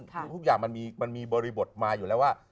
คือทุกอย่างมันมีบริบทมาอยู่แล้วว่า